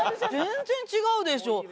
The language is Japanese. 全然違うでしょ。